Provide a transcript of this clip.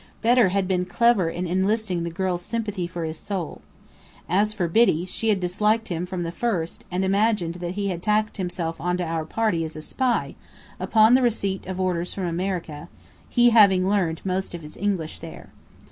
Bedr had been clever in enlisting the girls' sympathy for his soul. As for Biddy, she had disliked him from the first, and imagined that he had tacked himself onto our party as a spy, upon the receipt of orders from America, he having learned most of his English there.